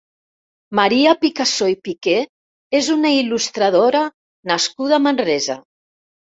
Maria Picassó i Piquer és una il·lustradora nascuda a Manresa.